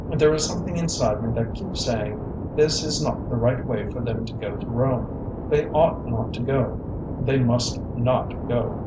There is something inside me that keeps saying: 'This is not the right way for them to go to Rome; they ought not to go, they must not go!'